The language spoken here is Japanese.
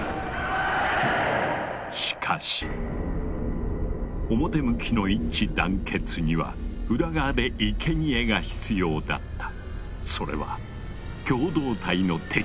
しかし表向きの一致団結には裏側でいけにえが必要だった。